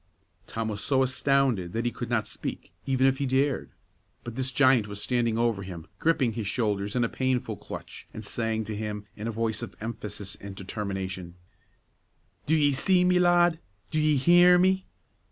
Tom was so astounded that he could not speak, even if he had dared. But this giant was standing over him, gripping his shoulders in a painful clutch, and saying to him, in a voice of emphasis and determination, "Do ye see me, lad? Do ye hear me?